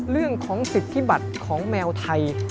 เรื่องของสิทธิบัติของแมวไทย